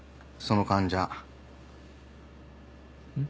その患者。